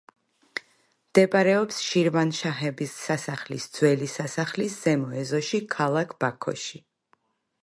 მდებარეობს შირვანშაჰების სასახლის ძველი სასახლის ზემო ეზოში ქალაქ ბაქოში.